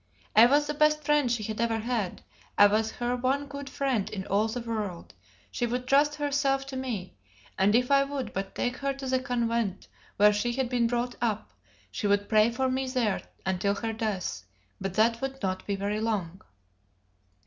I was the best friend she had ever had. I was her one good friend in all the world; she would trust herself to me; and if I would but take her to the convent where she had been brought up, she would pray for me there until her death, but that would not be very long.